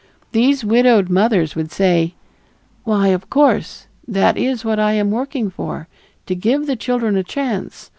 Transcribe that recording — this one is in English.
These widowed mothers would say, "Why, of course, that is what I am working for to give the children a chance.